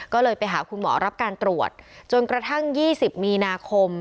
ก็เลยไปหาคุณหมอรับการตรวจจนกระทั่ง๒๐มีนาคม